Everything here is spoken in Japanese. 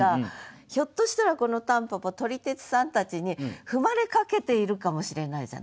ひょっとしたらこの蒲公英撮り鉄さんたちに踏まれかけているかもしれないじゃない？